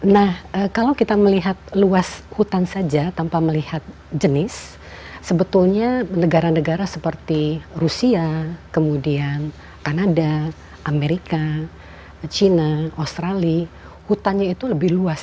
nah kalau kita melihat luas hutan saja tanpa melihat jenis sebetulnya negara negara seperti rusia kemudian kanada amerika china australia hutannya itu lebih luas